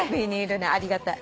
ありがたい。